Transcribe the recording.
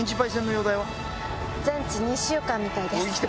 全治２週間みたいです。